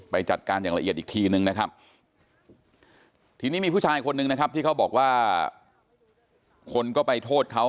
จัดการอย่างละเอียดอีกทีนึงนะครับทีนี้มีผู้ชายคนนึงนะครับที่เขาบอกว่าคนก็ไปโทษเขา